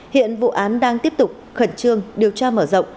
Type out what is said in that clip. hiện vụ án đang tiếp tục khẩn trương điều tra mở rộng